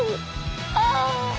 ああ。